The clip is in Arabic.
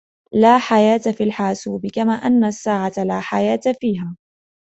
لا حياة في الحاسوب ، كما أن الساعة لا حياة فيها.